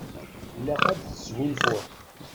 Ilaq ad tesgunfuḍ.